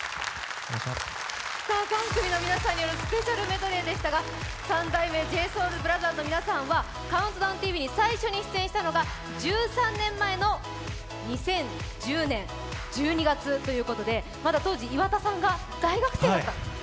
さあ３組の皆さんによるスペシャルメドレーでしたが三代目ＪＳＯＵＬＢＲＯＴＨＥＲＳの皆さんは「ＣＤＴＶ」に最初に出演したのが１３年前の２０１０年１２月ということで、まだ当時、岩田さんが大学生だった？